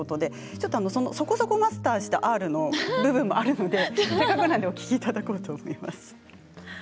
そこそこマスターしたＲの部分があるのでお聞きいただこうと思います。